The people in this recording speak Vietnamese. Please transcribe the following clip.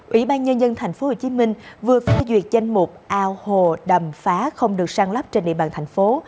ủy ban nhân dân tp hcm vừa phát duyệt danh mục ao hồ đầm phá không được sáng lắp trên địa bàn thành phố